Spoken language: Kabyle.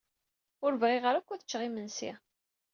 Ur bɣiɣ ara akk ad ččeɣ imensi.